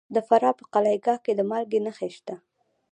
د فراه په قلعه کاه کې د مالګې نښې شته.